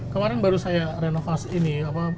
kemarin baru saya renovasi ini